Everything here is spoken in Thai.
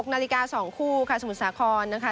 ๖นาฬิกา๒คู่ค่ะสมุทรสาครนะคะ